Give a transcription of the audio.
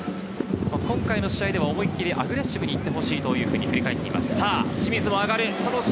今回の試合では思い切りアグレッシブに行ってほしいと振り返っています。